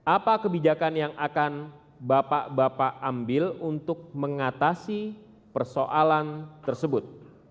apa kebijakan yang akan bapak bapak ambil untuk mengatasi persoalan tersebut